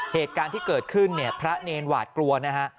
เหตุการณ์ที่เกิดขึ้นเนี่ยพระเนรหวาดกลัวนะฮะ